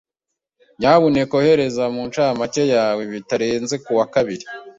Nyamuneka ohereza mu ncamake yawe bitarenze kuwa kabiri.